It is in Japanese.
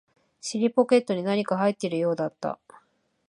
尻ポケットに何か入っているようだった